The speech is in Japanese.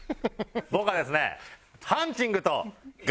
僕はですね。